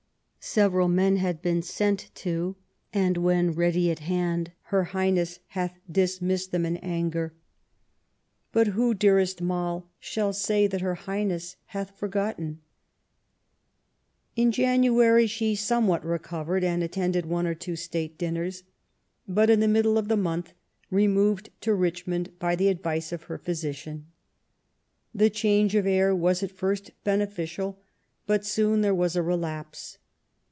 Several men had been sent to, and when ready at hand. Her Highness hath dismissed them in anger. But who. 300 QUEEN ELIZABETH, dearest Moll, shall say that Her Highness hath forgotten ?" In January she somewhat recovered, and at tended one or two state dinners ; but, in the middle of the month, removed to Richmond by the advice of her physician. The change of air was at first beneficial, but soon there was a relapse.